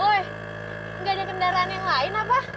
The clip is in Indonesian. woi nggak ada kendaraan yang lain apa